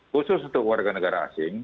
khusus untuk warga negara asing